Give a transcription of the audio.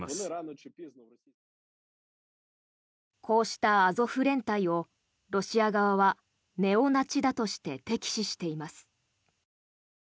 こうしたアゾフ連隊をロシア側はネオナチだとして敵視しています。